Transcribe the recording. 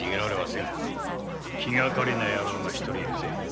気がかりな野郎が１人いるぜ。